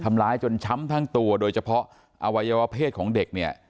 ทำร้ายจนช้ำทั้งตัวโดยเฉพาะอวัยวะเพศของเด็กเนี่ย